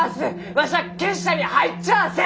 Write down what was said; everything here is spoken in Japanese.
わしは結社に入っちゃあせん！